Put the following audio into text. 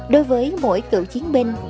đối với mỗi cựu chiến binh